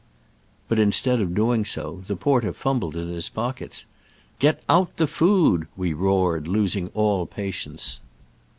But instead of doing so, the porter fumbled in his pockets. "Get out the food," we roared, losing all patience.